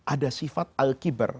ada sifat al kibar